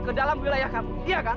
kedalam wilayah kamu